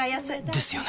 ですよね